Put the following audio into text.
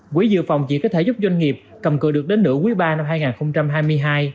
quỹ dự phòng chỉ có thể giúp doanh nghiệp cầm cự được đến nửa quý ba năm hai nghìn hai mươi hai